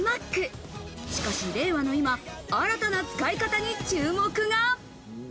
しかし令和の今、新たな使い方に注目が。